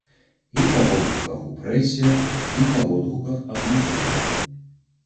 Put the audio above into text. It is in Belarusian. І па водгуках у прэсе, і па водгуках ад музыкаў.